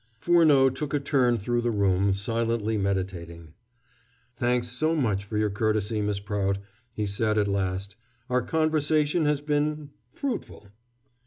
Furneaux took a turn through the room, silently meditating. "Thanks so much for your courtesy, Miss Prout," he said at last. "Our conversation has been fruitful."